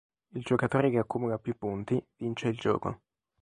Il giocatore che accumula più punti vince il gioco.